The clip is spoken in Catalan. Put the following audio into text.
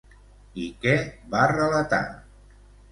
I què va relatar?